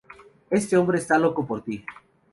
Este hombre está loco por ti.